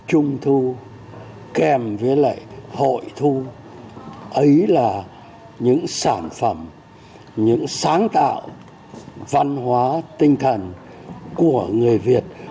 trung thu kèm với lại hội thu ấy là những sản phẩm những sáng tạo văn hóa tinh thần của người việt